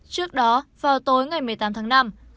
trước đó vào tối ngày một mươi tám tháng năm